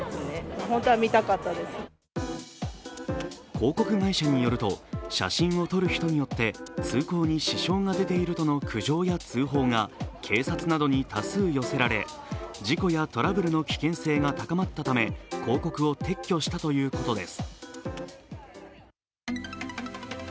広告会社によると、写真を撮る人によって通行に支障が出ているとの苦情や通報が警察などに多数寄せられ、事故やトラブルの危険性が高まったため広告を撤去したということです。